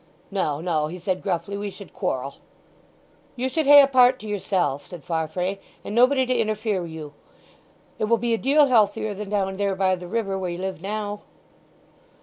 "No, no," he said gruffly; "we should quarrel." "You should hae a part to yourself," said Farfrae; "and nobody to interfere wi' you. It will be a deal healthier than down there by the river where you live now."